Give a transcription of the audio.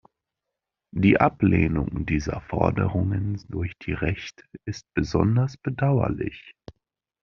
Die Ablehnung dieser Forderungen durch die Rechte ist besonders bedauerlich.